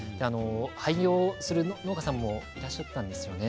廃業する農家さんもいらっしゃったんですよね。